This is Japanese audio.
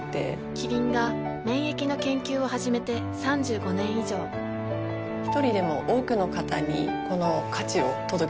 キリンが免疫の研究を始めて３５年以上一人でも多くの方にこの価値を届けていきたいと思っています。